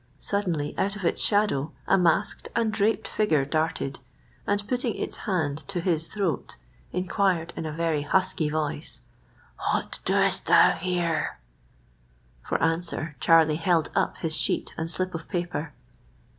Suddenly out of its shadow a masked and draped figure darted, and putting its hand to his throat, inquired in a very husky voice,— "What doest thou here?" For answer, Charlie held up his sheet and slip of paper.